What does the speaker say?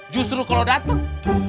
justru kalau dateng